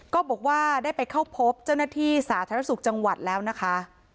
ก็บอกว่าได้ไปเข้าพบเจ้าหน้าที่สาธารณสุขจังหวัดแล้วนะคะ